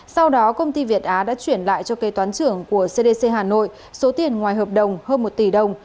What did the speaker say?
sau đó công ty việt á đã chuyển lại cho kế toán trưởng của cdc hà nội số tiền ngoài hợp đồng hơn một tỷ đồng